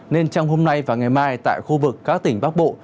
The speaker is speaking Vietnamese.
nên trong hôm nay và ngày mai tại khu vực các tỉnh bắc bộ